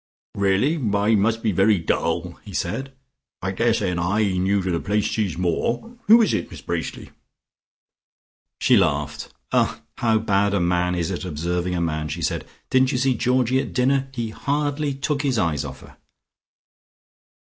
"Really, I must be very dull," he said. "I daresay an eye new to the place sees more. Who is it, Miss Bracely?" She laughed. "Ah, how bad a man is at observing a man!" she said. "Didn't you see Georgie at dinner? He hardly took his eyes off her."